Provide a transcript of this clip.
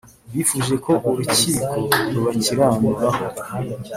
bifuje ko Urukiko rubakiranuraho